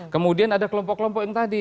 kemudian ada kelompok kelompok yang tadi